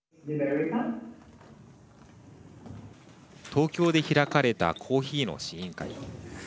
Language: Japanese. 東京で開かれたコーヒーの試飲会。